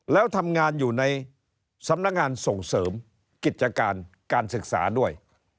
แล้วทำงานอยู่ในสำนักงานส่งเสริมกิจการการศึกษาด้วย